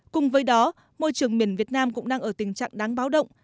cùng với đó môi trường miền việt nam cũng đang ở tình trạng đáng báo động